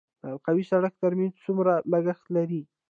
د حلقوي سړک ترمیم څومره لګښت لري؟